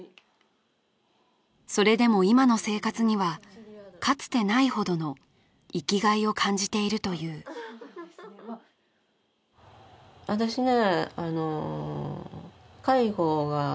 それでも今の生活にはかつてないほどの生きがいを感じているという私ね